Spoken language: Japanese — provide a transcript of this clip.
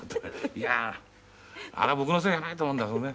いやああれは僕のせいじゃないと思うんだけどね。